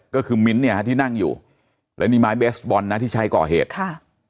ก็คือมิ้นท์เนี่ยฮะที่นั่งอยู่แล้วนี่ไม้เบสบอลนะที่ใช้ก่อเหตุค่ะ